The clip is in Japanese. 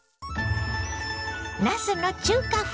なすの中華風